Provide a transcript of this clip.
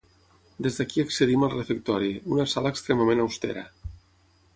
Des d’aquí accedim al refectori, una sala extremament austera.